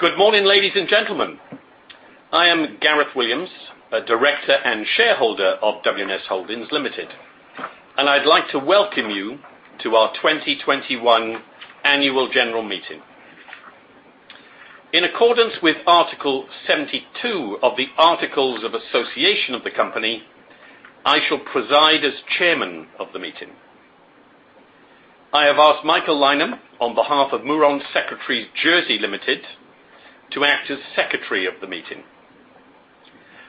Good morning, ladies and gentlemen. I am Gareth Williams, a Director and Shareholder of WNS Holdings Limited, and I'd like to welcome you to our 2021 Annual General Meeting. In accordance with Article 72 of the Articles of Association of the company, I shall preside as Chairman of the meeting. I have asked Michael Lynam, on behalf of Mourant Secretaries Jersey Limited, to act as Secretary of the meeting.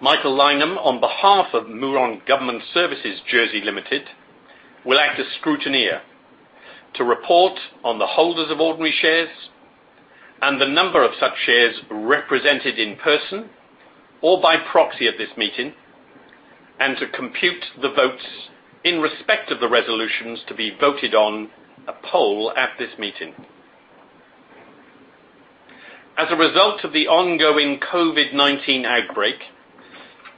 Michael Lynam, on behalf of Mourant Governance Services Jersey Limited, will act as scrutineer to report on the holders of ordinary shares and the number of such shares represented in person or by proxy at this meeting, and to compute the votes in respect of the resolutions to be voted on a poll at this meeting. As a result of the ongoing COVID-19 outbreak,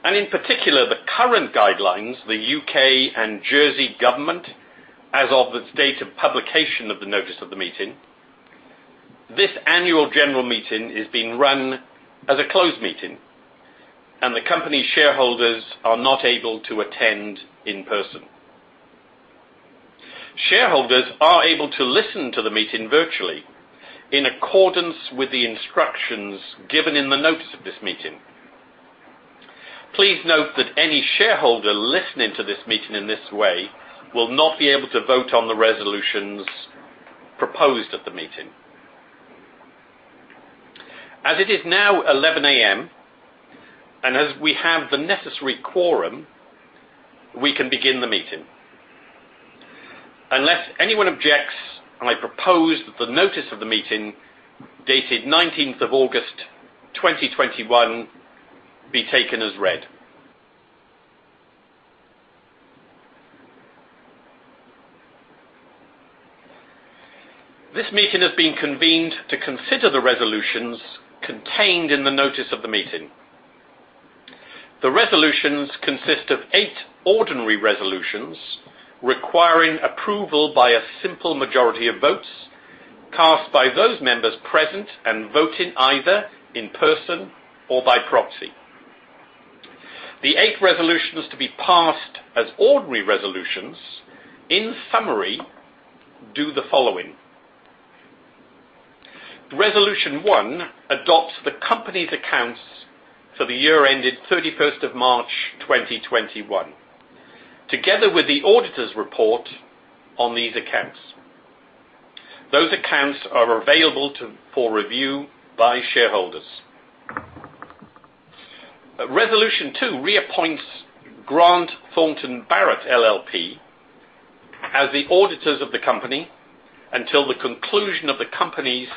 and in particular, the current guidelines the U.K. and Jersey government, as of the date of publication of the notice of the meeting, this annual general meeting is being run as a closed meeting, and the company shareholders are not able to attend in person. Shareholders are able to listen to the meeting virtually in accordance with the instructions given in the notice of this meeting. Please note that any shareholder listening to this meeting in this way will not be able to vote on the resolutions proposed at the meeting. As it is now 11:00 A.M., as we have the necessary quorum, we can begin the meeting. Unless anyone objects, I propose that the notice of the meeting dated August 19th 2021 be taken as read. This meeting has been convened to consider the resolutions contained in the notice of the meeting. The resolutions consist of eight ordinary resolutions requiring approval by a simple majority of votes cast by those members present and voting either in person or by proxy. The eight resolutions to be passed as ordinary resolutions, in summary, do the following. Resolution one adopts the company's accounts for the year ended March 31st 2021, together with the auditor's report on these accounts. Those accounts are available for review by shareholders. Resolution two reappoints Grant Thornton Bharat LLP as the auditors of the company until the conclusion of the company's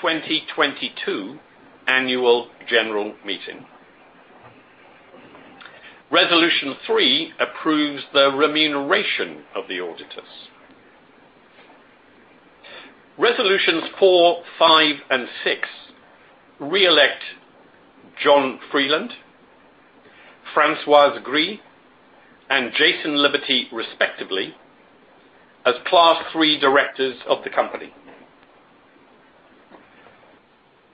2022 annual general meeting. Resolution three approves the remuneration of the auditors. Resolutions four, five, and six reelect John Freeland, Françoise Gri, and Jason Liberty, respectively, as Class III directors of the company.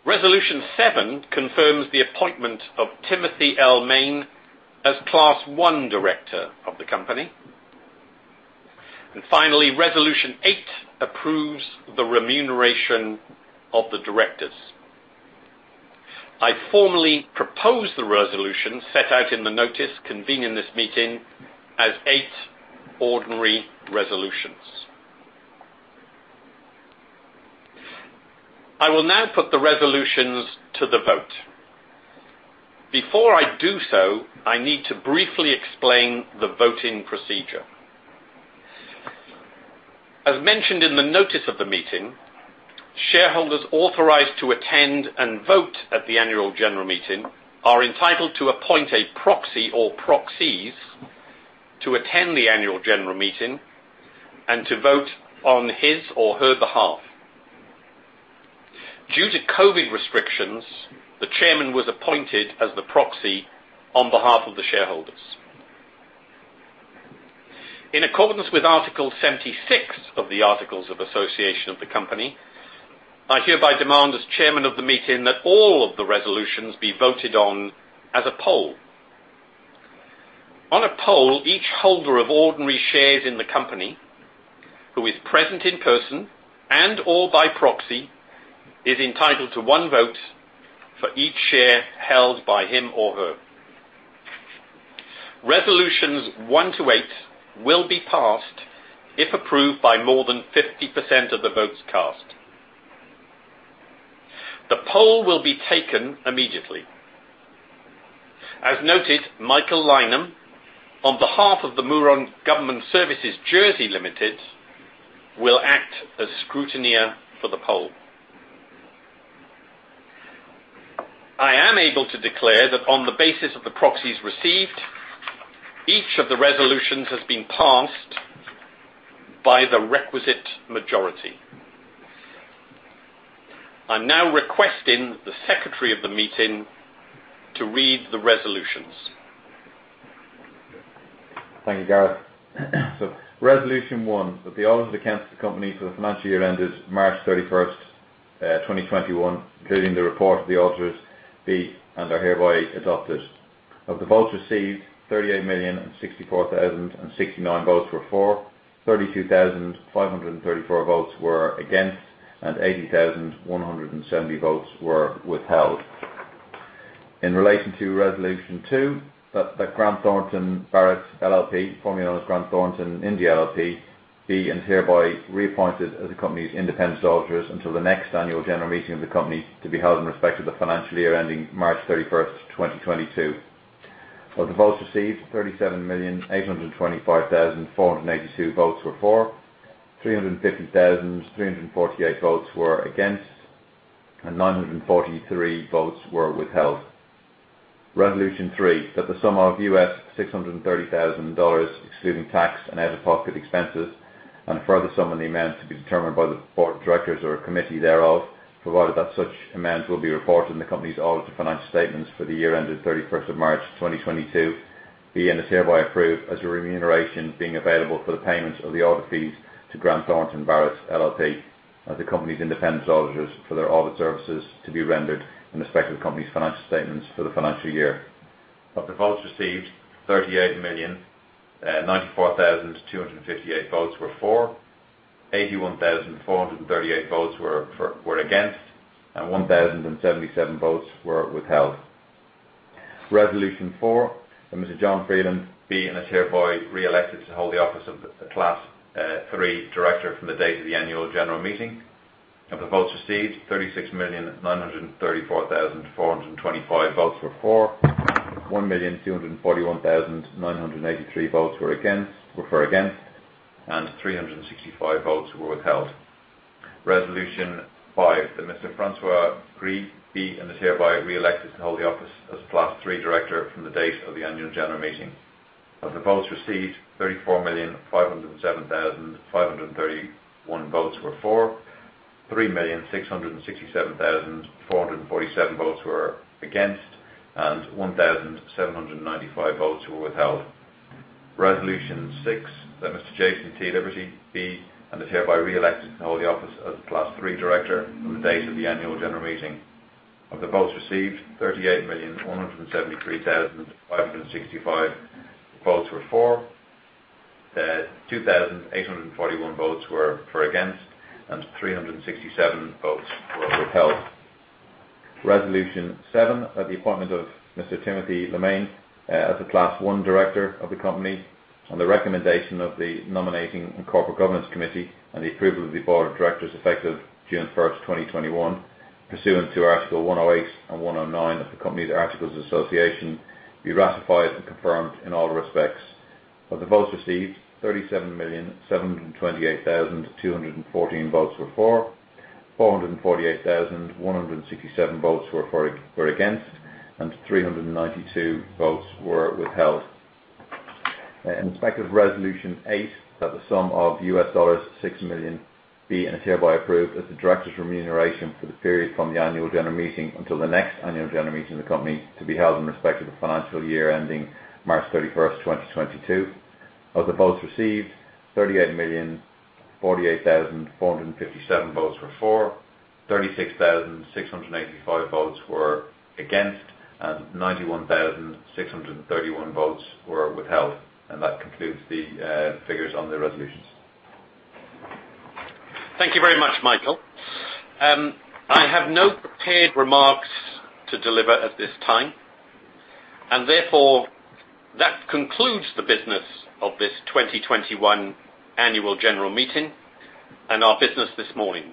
Resolution seven confirms the appointment of Timothy L. Main as Class I director of the company. Resolution eight approves the remuneration of the directors. I formally propose the resolution set out in the notice convening this meeting as eight ordinary resolutions. I will now put the resolutions to the vote. Before I do so, I need to briefly explain the voting procedure. As mentioned in the notice of the meeting, shareholders authorized to attend and vote at the annual general meeting are entitled to appoint a proxy or proxies to attend the annual general meeting and to vote on his or her behalf. Due to COVID-19 restrictions, the Chairman was appointed as the proxy on behalf of the shareholders. In accordance with Article 76 of the Articles of Association of the company, I hereby demand as Chairman of the meeting that all of the resolutions be voted on as a poll. On a poll, each holder of ordinary shares in the company who is present in person and/or by proxy is entitled to one vote for each share held by him or her. Resolutions one to eight will be passed if approved by more than 50% of the votes cast. The poll will be taken immediately. As noted, Michael Lynam, on behalf of the Mourant Governance Services Jersey Limited, will act as scrutineer for the poll. I am able to declare that on the basis of the proxies received, each of the resolutions has been passed by the requisite majority. I'm now requesting the Secretary of the meeting to read the resolutions. Thank you, Gareth. Resolution one, that the audit accounts of the company for the financial year ended March 31st, 2021, including the report of the auditors be and are hereby adopted. Of the votes received, 38,064,069 votes were for, 32,534 votes were against, and 18,170 votes were withheld. In relation to resolution two, that Grant Thornton Bharat LLP, formerly known as Grant Thornton India LLP, be and hereby reappointed as the company's independent auditors until the next annual general meeting of the company to be held in respect of the financial year ending March 31st 2022. Of the votes received, 37,825,482 votes were for, 350,348 votes were against, and 943 votes were withheld. Resolution three, that the sum of $630,000 excluding tax and out-of-pocket expenses, and a further sum in the amount to be determined by the board of directors or a committee thereof, provided that such amounts will be reported in the company's audit of financial statements for the year ended March 31st 2022, be and are hereby approved as remuneration being available for the payment of the audit fees to Grant Thornton Bharat LLP as the company's independent auditors for their audit services to be rendered in respect of the company's financial statements for the financial year. Of the votes received, 38,094,258 votes were for, 81,438 votes were against, and 1,077 votes were withheld. Resolution four, that Mr. John Freeland be and is hereby reelected to hold the office of Class III director from the date of the annual general meeting. Of the votes received, 36,934,425 votes were for, 1,241,983 votes were against, and 365 votes were withheld. Resolution five, that Mr. Françoise Gri be and is hereby reelected to hold the office as Class III director from the date of the annual general meeting. Of the votes received, 34,507,531 votes were for, 3,667,447 votes were against, and 1,795 votes were withheld. Resolution six, that Mr. Jason T. Liberty be and is hereby reelected to hold the office as Class III director from the date of the annual general meeting. Of the votes received, 38,173,565 votes were for, 2,841 votes were against, and 367 votes were withheld. Resolution seven, that the appointment of Mr. Timothy L. Main as a Class I director of the company on the recommendation of the nominating and corporate governance committee and the approval of the board of directors effective June 1st, 2021, pursuant to Article 108 and 109 of the Company Articles Association, be ratified and confirmed in all respects. Of the votes received, 37,728,214 votes were for, 448,167 votes were against, and 392 votes were withheld. In respect of Resolution eight, that the sum of $6 million be and is hereby approved as the directors' remuneration for the period from the annual general meeting until the next annual general meeting of the company to be held in respect of the financial year ending March 31st, 2022. Of the votes received, 38,048,457 votes were for, 36,685 votes were against, and 91,631 votes were withheld. That concludes the figures on the resolutions. Thank you very much, Michael. I have no prepared remarks to deliver at this time, and therefore, that concludes the business of this 2021 Annual General Meeting and our business this morning.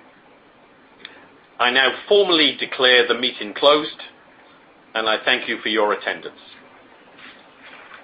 I now formally declare the meeting closed, and I thank you for your attendance.